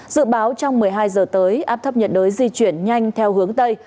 dự báo trong một mươi hai giờ tới áp thấp nhiệt đới di chuyển nhanh theo hướng tây